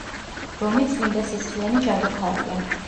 რონი წმინდასისხლიანი ჯადოქარია.